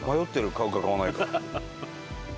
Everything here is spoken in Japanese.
買うか買わないか。